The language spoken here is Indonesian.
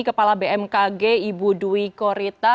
kepala bmkg ibu dwi korita